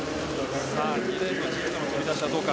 ２レーン神野の飛び出しはどうか。